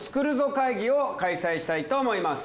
会議を開催したいと思います。